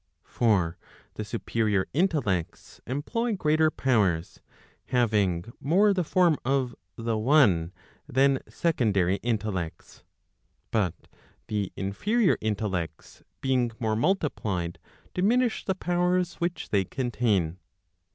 For the superior intellects employ greater powers, having more the form of the one than secondary intellects. But the inferior intellects being more multiplied, diminish the powers which they contain.